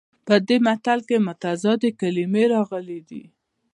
په دې متل کې متضادې کلمې راغلي دي